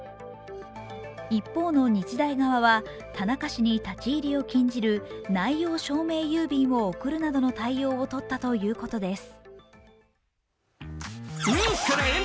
一方の日大側は、田中氏に立ち入りを禁止する内容証明郵便を送るなどの対応をとったということです。